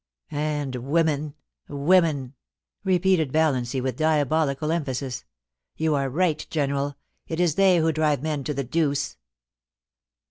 And womefty women^ repeated Valiancy, with diabolical emphasis. ' You are right. General It is they who drive men to the deuce.'